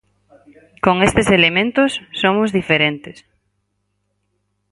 Con estes elementos, somos diferentes.